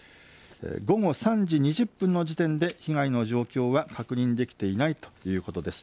午後３時２０分の時点で被害の状況は確認できていないということです。